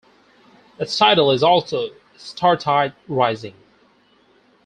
Its title is also "Startide Rising".